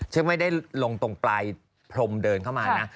ฉันไม่ได้ลงตรงปลายพรมเดินเข้ามานะ